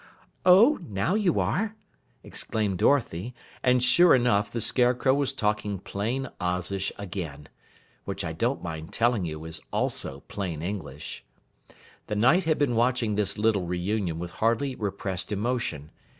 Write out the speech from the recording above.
"Oh, now you are!" exclaimed Dorothy. And sure enough, the Scarecrow was talking plain Ozish again. (Which I don't mind telling you is also plain English.) The Knight had been watching this little reunion with hardly repressed emotion.